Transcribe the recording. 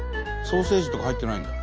ソーセージとか入ってないんだ。